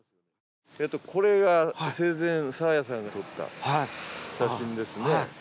これが生前、爽彩さんが撮った写真ですね。